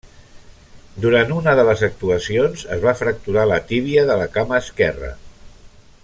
Durant una de les actuacions es va fracturar la tíbia de la cama esquerra.